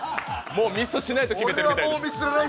もうミスしないと決めてるみたい。